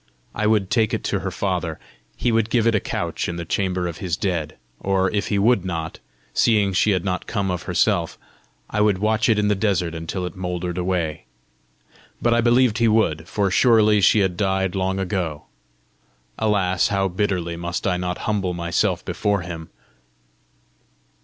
I would take it to her father: he would give it a couch in the chamber of his dead! or, if he would not, seeing she had not come of herself, I would watch it in the desert until it mouldered away! But I believed he would, for surely she had died long ago! Alas, how bitterly must I not humble myself before him!